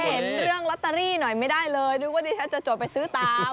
เห็นเรื่องลอตเตอรี่หน่อยไม่ได้เลยนึกว่าดิฉันจะจดไปซื้อตาม